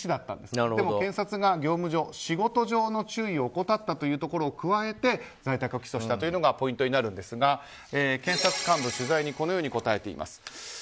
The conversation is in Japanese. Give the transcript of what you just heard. ただ、検察が業務上、仕事上の注意を怠ったということを加えて在宅起訴したというのがポイントになるんですが検察幹部、取材にこのように答えています。